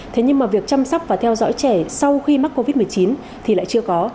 thế nhưng mà việc chăm sóc và theo dõi trẻ sau khi mắc covid một mươi chín thì lại chưa có